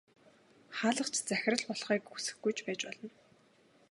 Хаалгач захирал болохыг хүсэхгүй ч байж болно.